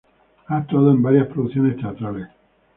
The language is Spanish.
Ha actuado en varias producciones teatrales.